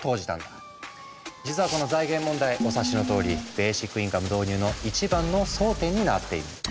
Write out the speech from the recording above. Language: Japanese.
実はこの財源問題お察しのとおりベーシックインカム導入の一番の争点になっているの。